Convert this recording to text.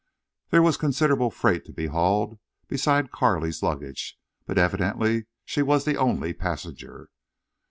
There was considerable freight to be hauled, besides Carley's luggage, but evidently she was the only passenger.